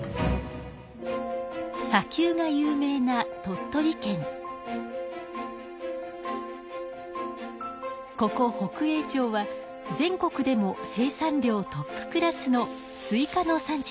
さきゅうが有名なここ北栄町は全国でも生産量トップクラスのスイカの産地です。